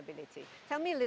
beritahu saya sedikit